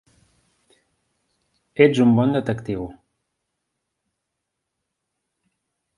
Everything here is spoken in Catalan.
Ets un bon detectiu.